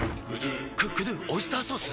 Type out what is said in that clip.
「クックドゥオイスターソース」！？